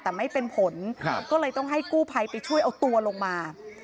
แต่ไม่เป็นผลก็เลยต้องให้กู้ภัยไปช่วยเอาตัวลงมา